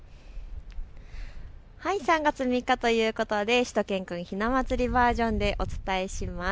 ３月３日ということでしゅと犬くんひな祭りバージョンでお伝えします。